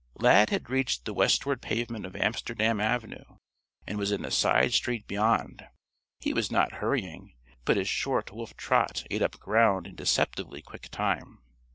Lad had reached the westward pavement of Amsterdam Avenue and was in the side street beyond. He was not hurrying, but his short wolf trot ate up ground in deceptively quick time.